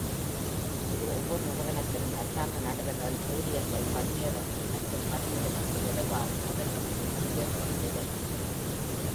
இது.ஒவ்வொரு நிறுவனத்திலும், அரசாங்க நடுவர்கள் ஊதியங்கள், பணி நேரங்கள் மற்றும் பணி நிலைமைகள் தொடர்பான மோதல்களுக்கு மத்தியஸ்தம் செய்தனர்.